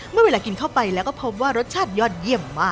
มันแป้งข้าวพอร์ตชัดเลยอะ